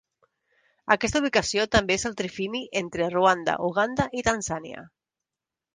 Aquesta ubicació també és el trifini entre Ruanda, Uganda i Tanzània.